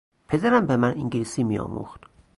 پدرم به من انگلیسی میآموخت.